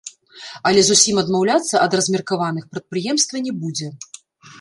Але зусім адмаўляцца ад размеркаваных прадпрыемства не будзе.